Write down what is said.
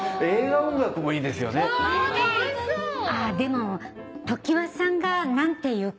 でも常葉さんが何て言うか。